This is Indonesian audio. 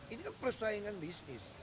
ini persaingan bisnis